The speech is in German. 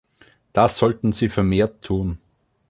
Das sollten Sie vermehrt tun.